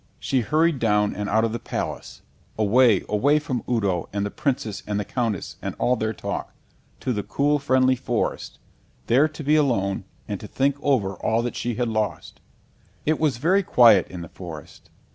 She hurried down and out of the Palace away, away from Udo and the Princess and the Countess and all their talk, to the cool friendly forest, there to be alone and to think over all that she had lost. It was very quiet in the forest.